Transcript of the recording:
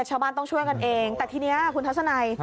ชาวบ้านต้องช่วยกันเองแต่ทีนี้คุณทัศนัย